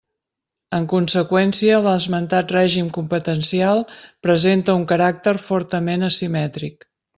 En conseqüència, l'esmentat règim competencial presenta un caràcter fortament asimètric.